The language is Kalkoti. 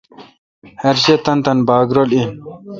ھر شے°تانی تانی باگ رل این۔